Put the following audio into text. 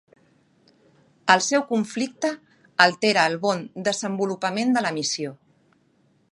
El seu conflicte altera el bon desenvolupament de la missió.